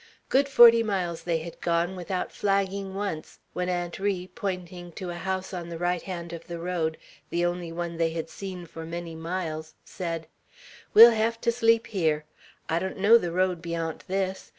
Good forty miles they had gone without flagging once, when Aunt Ri, pointing to a house on the right hand of the road, the only one they had seen for many miles, said: "We'll hev to sleep hyar. I donno the road beyant this.